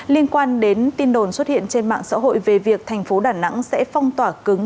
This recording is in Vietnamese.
liên quan đến tin đồn xuất hiện trên mạng xã hội về việc thành phố đà nẵng sẽ phong tỏa cứng